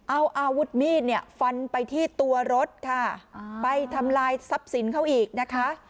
เอาอาวุธมีดเนี่ยฟันไปที่ตัวรถค่ะไปทำลายทรัพย์สินเขาอีกนะคะ